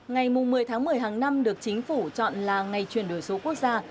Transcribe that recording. ngày một mươi tháng một mươi hàng năm được chính phủ chọn là ngày chuyển đổi số quốc gia